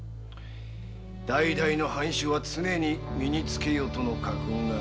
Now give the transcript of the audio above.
「代々の藩主は常に身につけよ」との家訓がある。